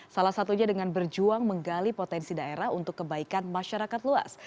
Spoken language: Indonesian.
salah satunya dengan berjuang menggali potensi daerah untuk kebaikan masyarakat luas